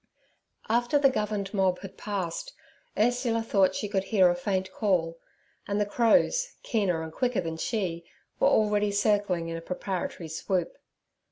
After the governed mob had passed, Ursula thought she could hear a faint call, and the crows, keener and quicker than she, were already circling in a preparatory swoop.